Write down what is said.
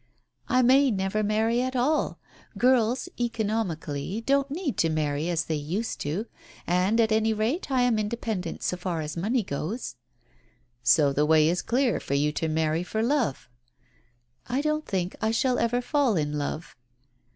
"I may never marry at all. Girls, economically, don't need to marry as they used to, and at any rate I am independent so far as money goes." "So the way is clear for you to marry for love." "I don't think I shall ever fall in love."